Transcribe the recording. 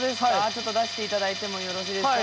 ちょっと出していただいてもよろしいですか？